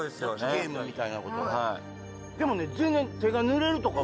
ゲームみたいなことでもね